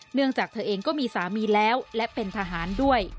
เนื่องจากเธอเองก็มีสามีแล้วและเป็นทหารด้วย